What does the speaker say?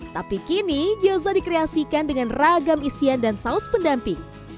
tapi kini gyoza dikreasikan dengan ragam isian dan saus pendamping